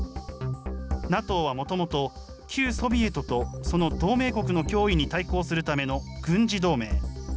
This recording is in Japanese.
ＮＡＴＯはもともと、旧ソビエトと、その同盟国の脅威に対抗するための軍事同盟。